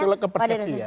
itu ke persepsi ya